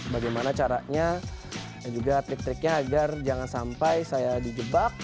bagaimana caranya dan juga trik triknya agar jangan sampai saya dijebak